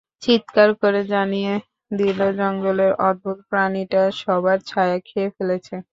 চিত্কার করে জানিয়ে দিল জঙ্গলের অদ্ভুত প্রাণীটা সবার ছায়া খেয়ে ফেলেছে।